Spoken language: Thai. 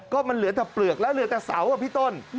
ก็มันเหลือแต่เปลือกแล้วเหลือแต่เสาอ่ะพี่ต้น